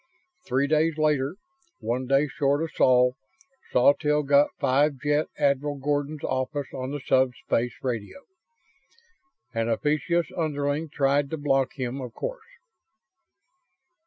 Three days later, one day short of Sol, Sawtelle got Five Jet Admiral Gordon's office on the sub space radio. An officious underling tried to block him, of course.